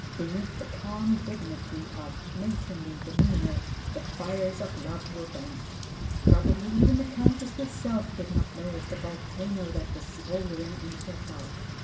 Beneath the calm dignity of matronly demeanor the fires of love were banked. Probably even the Countess herself did not know of the volcano that was smoldering in her heart.